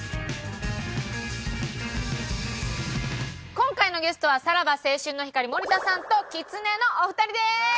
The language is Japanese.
今回のゲストはさらば青春の光森田さんときつねのお二人です！